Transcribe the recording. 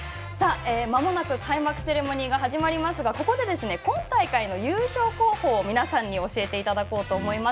まもなく開幕セレモニーが始まりますがここで今大会の優勝候補を皆さんに教えていただこうと思います。